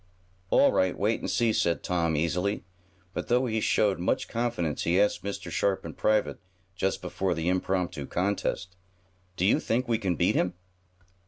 "All right, wait and see," said Tom, easily. But, though he showed much confidence he asked Mr. Sharp in private, just before the impromptu contest: "Do you think we can beat him?"